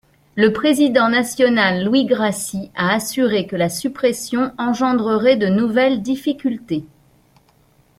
Le président national, Louis Grassi, a assuré que la suppression engendrerait de nouvelles difficultés.